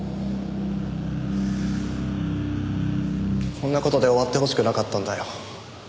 こんな事で終わってほしくなかったんだよ。